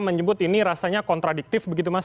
menyebut ini rasanya kontradiktif begitu mas